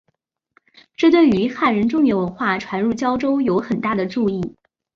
这对于汉人中原文化传入交州有很大的助益。